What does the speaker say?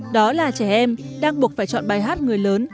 đó là trẻ em đang buộc phải chọn bài hát người lớn